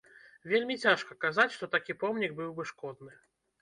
Вельмі цяжка казаць, што такі помнік быў бы шкодны.